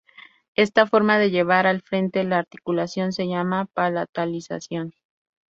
Esta forma de llevar al frente la articulación se llama palatalización.